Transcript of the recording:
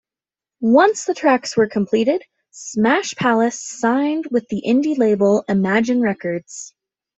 Once the tracks were completed, Smash Palace signed with the indie label Imagine Records.